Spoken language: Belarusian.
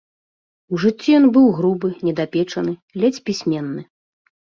У жыцці ён быў грубы, недапечаны, ледзь пісьменны.